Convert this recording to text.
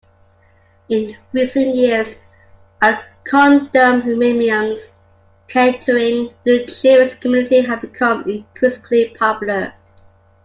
In recent years condominiums catering to the Jewish community have become increasingly popular.